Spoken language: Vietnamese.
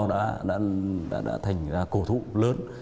đã thành cổ thụ lớn